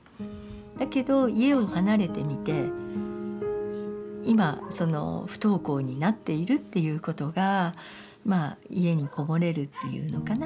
だけど家を離れてみて今その不登校になっているっていうことが家に籠もれるっていうのかな。